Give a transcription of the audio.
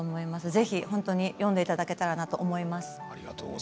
ぜひ読んでいただけたらと思います。